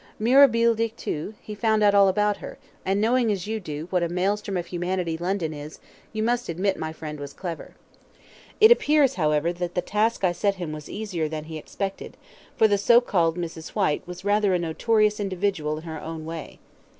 MIRABILE DICTU, he found out all about her, and knowing, as you do, what a maelstrom of humanity London is, you must admit my friend was clever. It appears, however, that the task I set him was easier than he expected, for the so called Mrs. Whyte was rather a notorious individual in her own way.